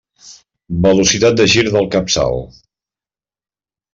Velocitat de gir del capçal.